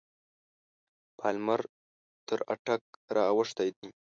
پالمر تر اټک را اوښتی دی.